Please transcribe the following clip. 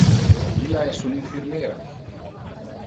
Illa es un infirmera.